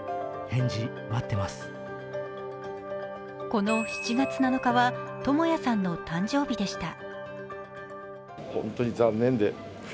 この７月７日は智也さんの誕生日でした。